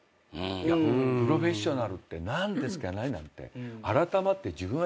「プロフェッショナルって何ですかね？」なんて。